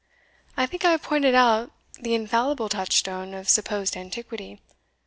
I think I have pointed out the infallible touchstone of supposed antiquity.